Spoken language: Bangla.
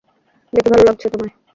দেখে ভালো লাগছে তোমায়।